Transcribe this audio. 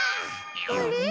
あれ？